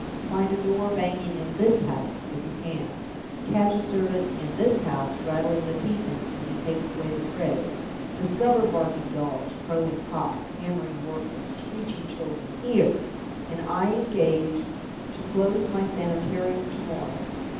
Find a door banging in this house, if you can! Catch a servant in this house rattling the tea things when he takes away the tray! Discover barking dogs, crowing cocks, hammering workmen, screeching children here and I engage to close My Sanitarium to morrow!